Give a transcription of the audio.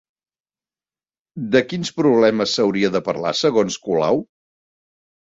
De quins problemes s'hauria de parlar segons Colau?